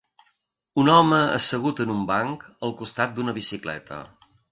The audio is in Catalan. Un home assegut en un banc al costat d'una bicicleta.